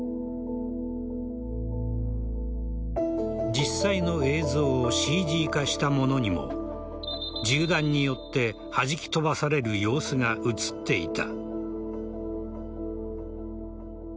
実際の映像をＣＧ化したものにも銃弾によってはじき飛ばされる様子が映っていた。